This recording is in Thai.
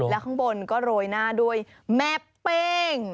แล้วข้างบนก็โรยหน้าด้วยแม่เป้ง